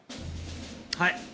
はい。